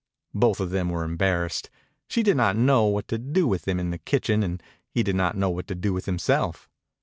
Both of them were embarrassed. She did not know what to do with him in the kitchen and he did not know what to do with himself.